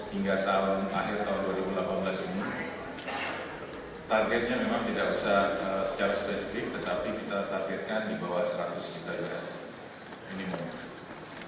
hingga akhir tahun dua ribu delapan belas ini targetnya memang tidak usah secara spesifik tetapi kita targetkan di bawah seratus juta us